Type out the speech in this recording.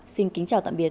xin kính chào tạm biệt